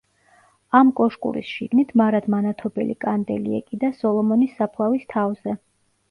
ამ კოშკურის შიგნით მარად მანათობელი კანდელი ეკიდა სოლომონის საფლავის თავზე.